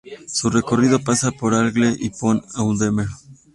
Su recorrido pasa por l’Aigle y Pont-Audemer.